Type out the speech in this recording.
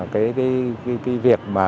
cái việc mà